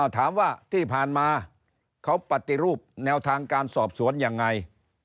ถามว่าที่ผ่านมาเขาปฏิรูปแนวทางการสอบสวนยังไง